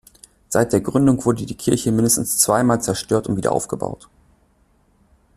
Seit der Gründung wurde die Kirche mindestens zweimal zerstört und wieder aufgebaut.